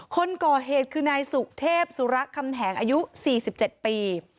คนก่อเหตุคือนายสุเทพสุระคำแหงอายุ๔๗ปี